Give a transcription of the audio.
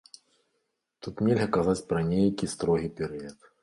Тут нельга казаць пра нейкі строгі перыяд.